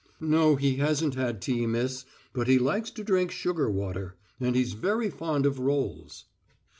"No, he hasn't had tea, miss. But he likes to drink sugar water. And he's very fond of rolls."